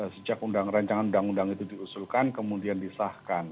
sejak rancangan undang undang itu diusulkan kemudian disahkan